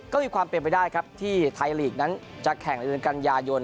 ก็มีความเป็นไปได้ครับที่ไทยลีกนั้นจะแข่งในเดือนกันยายน